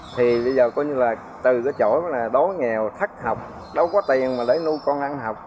thì bây giờ coi như là từ cái chỗ đó nghèo thất học đâu có tiền mà để nuôi con ăn học